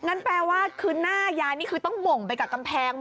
งั้นแปลว่าคือหน้ายายนี่คือต้องหม่งไปกับกำแพง